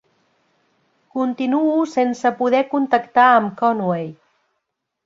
Continuo sense poder contactar amb Conway.